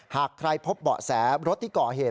หากใครพบเบาะแสรถที่ก่อเหตุ